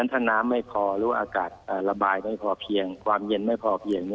ถ้าน้ำไม่พอหรือว่าอากาศระบายไม่พอเพียงความเย็นไม่พอเพียง